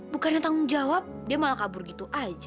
bukannya tanggung jawab dia malah kabur gitu aja